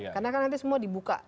karena nanti semua dibuka